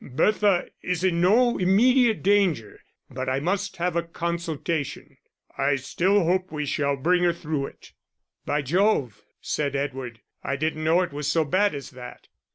"Bertha is in no immediate danger. But I must have a consultation. I still hope we shall bring her through it." "By Jove," said Edward, "I didn't know it was so bad as that."